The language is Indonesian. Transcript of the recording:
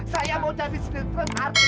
saya mau jadi sedetron arti